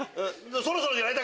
そろそろじゃない？